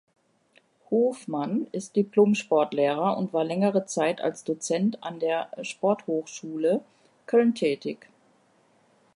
Hofmann ist Diplom-Sportlehrer und war längere Zeit als Dozent an der Sporthochschule Köln tätig.